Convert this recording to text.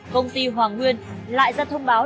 công ty hoàng nguyên lại ra thông báo